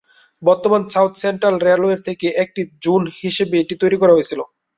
বর্তমান South Central রেলওয়ের থেকে একটি জোন হিসেবে এটি তৈরি করা হয়েছিল।